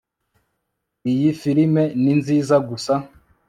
Iyi firime ninziza gusa